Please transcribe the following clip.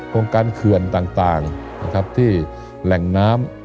โครงการเคือนต่างที่แหล่งน้ำ